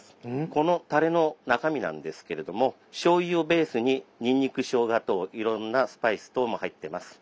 このたれの中身なんですけれどもしょうゆをベースににんにくしょうがといろんなスパイス等も入ってます。